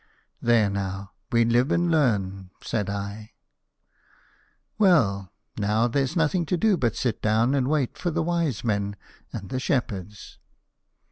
"There, now! We live and learn," said I. "Well, now there's nothing to do but sit down and wait for the wise men and the shepherds."